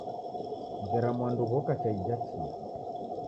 Ngera mwandu ghoka cha ija chia.